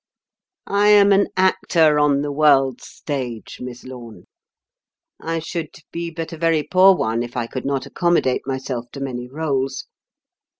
I am an Actor on the World's Stage, Miss Lorne; I should be but a very poor one if I could not accommodate myself to many rôles."